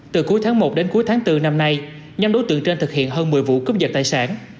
từ cuối tháng một đến cuối tháng bốn năm nay nhắm đối tượng trên thực hiện hơn một mươi vụ cướp dật tài sản